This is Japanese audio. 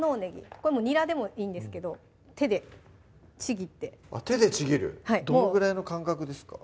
これニラでもいいんですけど手でちぎってあっ手でちぎるどのぐらいの間隔ですか？